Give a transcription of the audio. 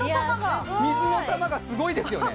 水の玉がすごいですよね